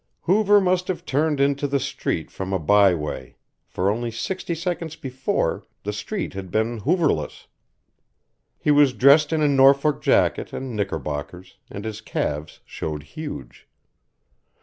Hoover must have turned into the street from a bye way, for only sixty seconds before the street had been Hooverless. He was dressed in a Norfolk jacket and knickerbockers, and his calves showed huge.